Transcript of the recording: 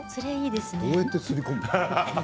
どうやって入れ込むの。